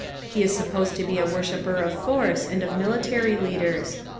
He is supposed to be a worshipper of force, and of military leaders.